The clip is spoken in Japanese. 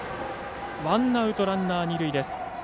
ワンアウト、ランナー、二塁です。